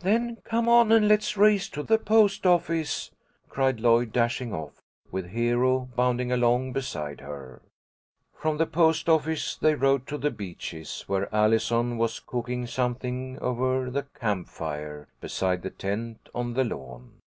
"Then come on, and let's race to the post office," cried Lloyd, dashing off, with Hero bounding along beside her. From the post office they rode to The Beeches, where Allison was cooking something over the camp fire, beside the tent on the lawn.